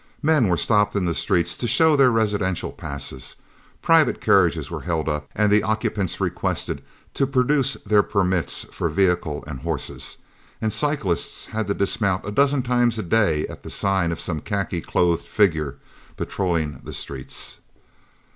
Men were stopped in the streets to show their residential passes, private carriages were held up and the occupants requested to produce their permits for vehicle and horses, and cyclists had to dismount a dozen times a day at the sign of some khaki clothed figure patrolling the streets.